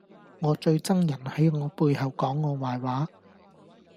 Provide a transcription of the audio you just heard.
我最憎人喺我背後講我壞話